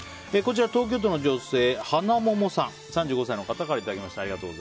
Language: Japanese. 東京都の女性３５歳の方からいただきました。